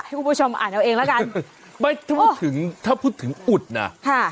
ให้คุณผู้ชมอ่านเอาเองแล้วกันไม่ถ้าพูดถึงถ้าพูดถึงอุดน่ะค่ะ